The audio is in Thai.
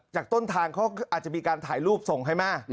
ต้นทางเขาอาจจะมีการถ่ายรูปส่งให้แม่